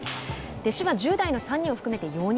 弟子は１０代の３人を含めて４人。